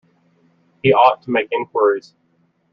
He ought to make inquiries.